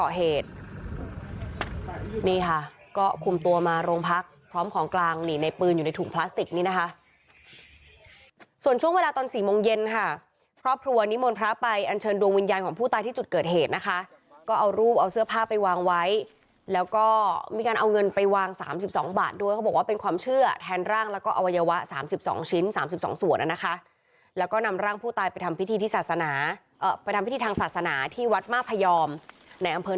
เกาะเหตุนี่ค่ะก็คุมตัวมาโรงพักพร้อมของกลางหนีในปืนอยู่ในถุงพลาสติกนี่นะคะส่วนช่วงเวลาตอน๔โมงเย็นค่ะครอบครัวนิมนต์พระไปอันเชิญดวงวิญญาณของผู้ตายที่จุดเกิดเหตุนะคะก็เอารูปเอาเสื้อผ้าไปวางไว้แล้วก็มีการเอาเงินไปวาง๓๒บาทด้วยเขาบอกว่าเป็นความเชื่อแทนร่างแล้วก็อวัยวะ๓๒ชิ้น๓๒